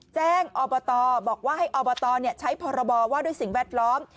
แจ้งอบตบอกว่าให้อบตใช้พรบว่าด้วยสิ่งแวดล้อม